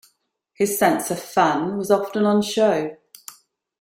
His sense of fun was often on show.